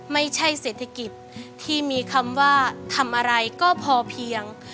ไม่ใช่เศรษฐกิจที่มีคำว่าทำอะไรก็พอเพียง